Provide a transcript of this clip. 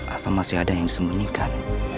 atau masih ada yang disembunyikan